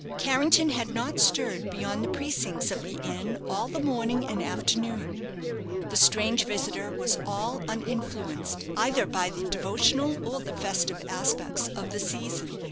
Carrington had not stirred beyond the precincts of the inn all the morning and afternoon. The strange visitor was all uninfluenced either by the devotional or the festive aspects of the season.